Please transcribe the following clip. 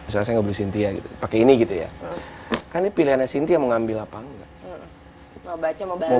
saya nggak beli sintia gitu pakai ini gitu ya kan pilihannya sintia mengambil apa nggak mau baca mau